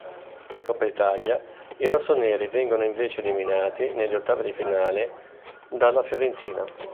In Coppa Italia i rossoneri vengono invece eliminati negli ottavi di finale dalla Fiorentina.